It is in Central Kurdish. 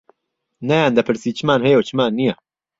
نەیان دەپرسی چمان هەیە و چمان نییە